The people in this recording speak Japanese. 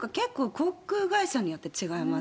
航空会社によって違います。